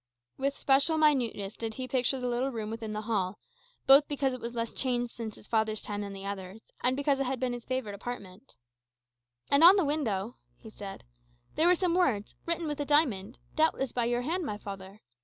With special minuteness did he picture the little room within the hall, both because it was less changed since his father's time than the others, and because it had been his favourite apartment "And on the window," he said, "there were some words, written with a diamond, doubtless by your hand, my father.